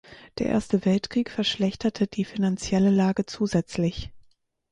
Der Erste Weltkrieg verschlechterte die finanzielle Lage zusätzlich.